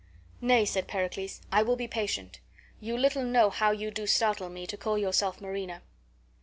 "Na@," said Pericles, "I will be patient. You little know how you do startle me, to call yourself Marina."